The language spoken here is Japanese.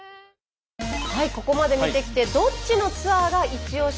ここまで見てきてどっちのツアーがイチオシか。